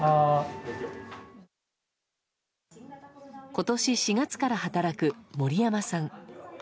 今年４月から働く森山さん。